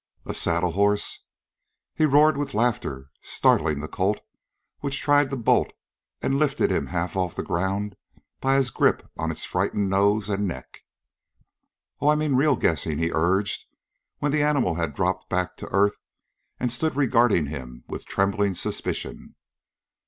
"A saddle horse?" He roared with laughter, startling the colt, which tried to bolt and lifted him half off the ground by his grip on its frightened nose and neck. "Oh, I mean real guessin'," he urged, when the animal had dropped back to earth and stood regarding him with trembling suspicion.